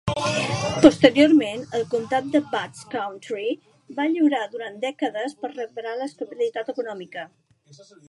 Posteriorment, el comtat de Butts County va lluitar durant dècades per recuperar l'estabilitat econòmica.